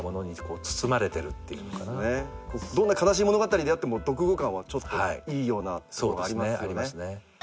どんな悲しい物語であっても読後感はちょっといいようなとこがありますよね。